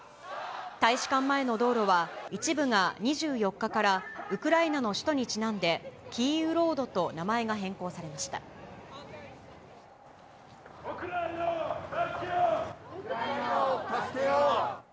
大使館前の道路は、一部が２４日から、ウクライナの首都にちなんでキーウ・ロードと名前が変更されましウクライナを助けよう。